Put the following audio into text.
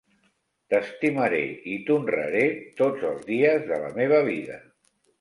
T'estimaré i t'honraré tots els dies de la meva vida.